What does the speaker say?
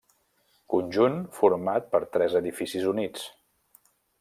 Conjunt format per tres edificis units.